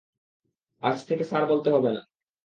আজ থেকে স্যার বলতে হবে না।